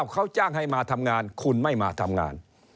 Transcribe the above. เขาจ้างให้มาทำงานคุณไม่มาทำงาน